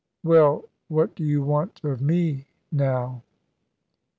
"Well, what do you want of me now?"